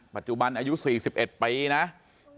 ปัจจุบันอายุ๔๑ปีนะ